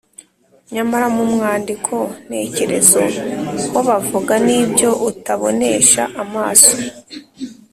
nyamara mu mwandiko ntekerezo ho bavuga n’ibyo utabonesha amaso